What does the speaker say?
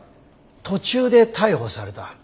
途中で逮捕された。